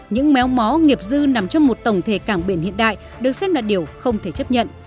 những méo mó nghiệp dư nằm trong một tổng thể cảng biển hiện đại